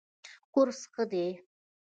کورس ښه دی.